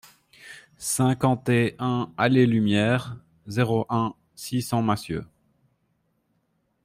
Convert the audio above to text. cinquante et un allée Lumière, zéro un, six cents Massieux